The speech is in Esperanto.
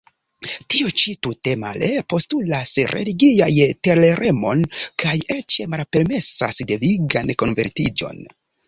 Tio ĉi, tute male, postulas religian toleremon kaj eĉ malpermesas devigan konvertiĝon.